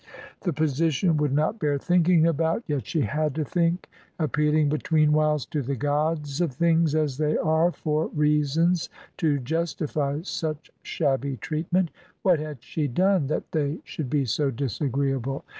The position would not bear thinking about; yet she had to think, appealing betweenwhiles to the gods of things as they are for reasons to justify such shabby treatment. What had she done, that they should be so disagreeable?